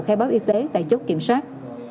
khai báo y tế tại chốt kiểm soát